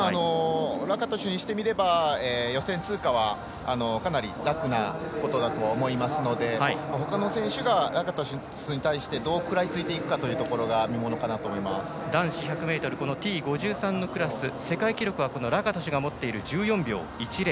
ラカトシュにしてみれば予選通過はかなり楽なことだとは思いますのでほかの選手がラカトシュに対してどう食らいついていくかが男子１００ｍＴ５３のクラス世界記録はラカトシュが持っている１４秒１０。